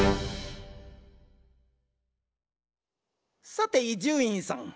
さて伊集院さん。